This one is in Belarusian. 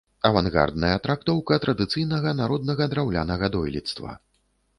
Авангардная трактоўка традыцыйнага народнага драўлянага дойлідства.